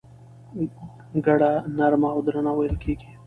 ګړه نرمه او درنه وېل کېږي.